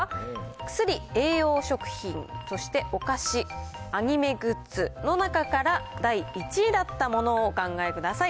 薬・栄養食品、そしてお菓子、アニメグッズの中から、第１位だったものをお考えください。